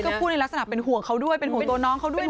ก็พูดในลักษณะเป็นห่วงเขาด้วยเป็นห่วงตัวน้องเขาด้วยนะ